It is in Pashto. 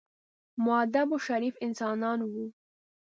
مودب او شریف انسانان وو.